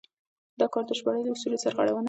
دا کار د ژباړې له اصولو سرغړونه ده.